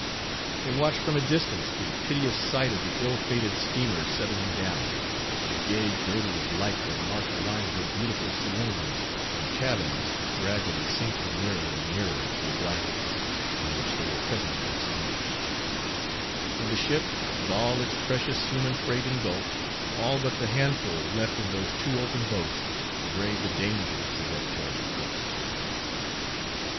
They watched from a distance the piteous sight of the ill fated steamer settling down, the gay girdle of light that marked the line of her beautiful saloons and cabins gradually sinking nearer and nearer to the blackness, in which they were presently extinguished; and the ship, with all its precious human freight engulfed all but the handful left in those two open boats, to brave the dangers of that terrible coast!